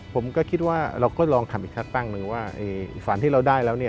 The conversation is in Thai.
ผมก็คิดว่าเราก็ลองทำอีกสักตั้งหนึ่งว่าฝันที่เราได้แล้วเนี่ย